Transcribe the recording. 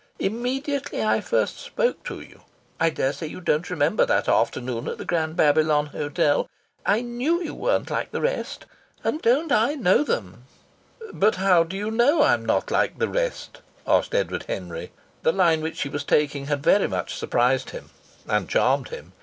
Immediately I first spoke to you I daresay you don't remember that afternoon at the Grand Babylon Hotel! I knew you weren't like the rest. And don't I know them? Don't I know them?" "But how did you know I'm not like the rest?" asked Edward Henry. The line which she was taking had very much surprised him and charmed him.